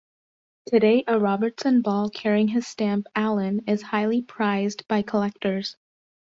Today a Robertson ball carrying his stamp "Allan" is highly prized by collectors.